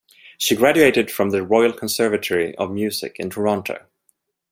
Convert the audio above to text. She graduated from The Royal Conservatory of Music in Toronto.